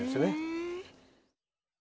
へえ。